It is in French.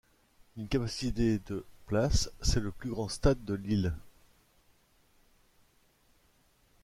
D'une capacité de places, c'est le plus grand stade de l'île.